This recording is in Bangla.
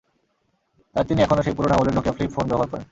তাই তিনি এখনো সেই পুরোনো আমলের নকিয়া ফ্লিপ ফোন ব্যবহার করেন।